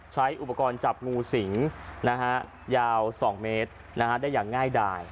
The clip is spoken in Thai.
ใช้อุปกรณ์จับงูสิงยาว๒เมตรได้อย่างง่ายดาย